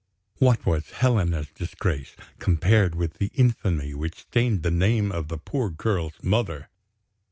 What was Helena's disgrace, compared with the infamy which stained the name of the poor girl's mother!